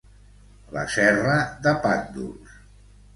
La serra de Pàndols.